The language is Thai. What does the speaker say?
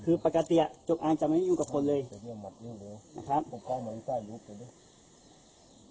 คือปกติจุดอาจจะไม่ยุ่งกับคนเลยนะครับ